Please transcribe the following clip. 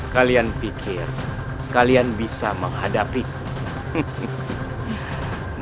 kalian pikir kalian bisa menghadapi